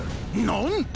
なんと！